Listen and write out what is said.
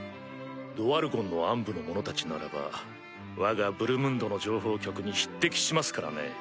ドワルゴンの暗部の者たちならばわがブルムンドの情報局に匹敵しますからね。